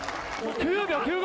９秒９５！